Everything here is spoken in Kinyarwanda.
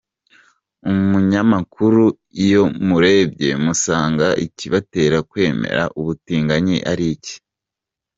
Umunyamakuru; Iyo murebye musanga Ikibatera kwemera ubutinganyi ari iki? .